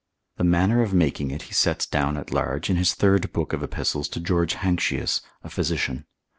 The manner of making it he sets down at large in his third book of Epist. to George Hankshius a physician.